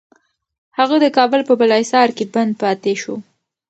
هغه د کابل په بالاحصار کي بند پاتې شو.